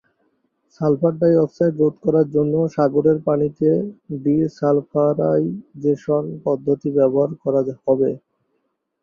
Sulphur-die oxide রোধ করার জন্য সাগরের পানিতে ডি-সালফারাইজেশন পদ্ধতি ব্যবহার করা হবে।